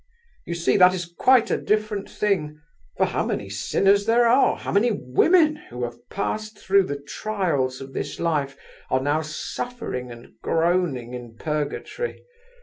You see that is quite a different thing, for how many sinners there are, how many women, who have passed through the trials of this life, are now suffering and groaning in purgatory!